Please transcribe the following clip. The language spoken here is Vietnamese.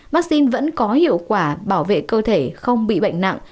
vaccine vẫn có hiệu quả bảo vệ cơ thể không bị bệnh nặng